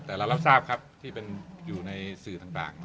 แต่เรารับทราบครับที่เป็นอยู่ในสื่อต่าง